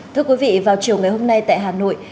thưa quý vị vào chiều ngày hôm nay tại hà nội